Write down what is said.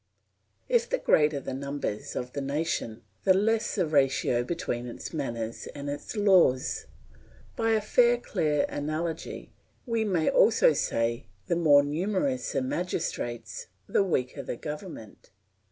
If the greater the numbers of the nation the less the ratio between its manners and its laws, by a fairly clear analogy, we may also say, the more numerous the magistrates, the weaker the government.